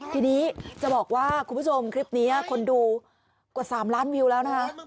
ทีนี้จะบอกว่าคุณผู้ชมคลิปนี้คนดูกว่า๓ล้านวิวแล้วนะคะ